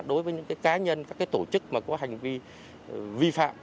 đối với những cá nhân các tổ chức có hành vi vi phạm